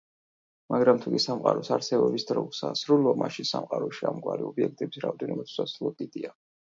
მაგრამ თუკი სამყაროს არსებობის დრო უსასრულოა, მაშინ სამყაროში ამგვარი ობიექტების რაოდენობაც უსასრულოდ დიდია.